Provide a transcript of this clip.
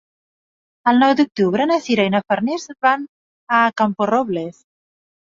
El nou d'octubre na Sira i na Farners van a Camporrobles.